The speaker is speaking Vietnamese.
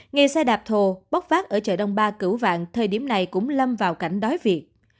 nghe xe đạp thô bóc phát ở chợ đông ba cửu vạn thời điểm này cũng lâm vào cảnh đói việc